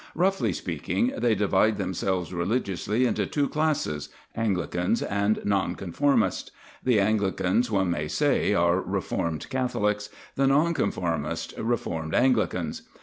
Roughly speaking, they divide themselves religiously into two classes Anglicans and Nonconformists. The Anglicans, one may say, are reformed Catholics; the Nonconformists, reformed Anglicans.